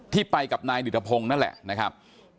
ที่ไปกับนายดิตภงนั่นแหละนะครับ